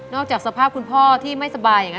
นอกจอบสถาบกิตของพ่อที่ไม่ไสมายัง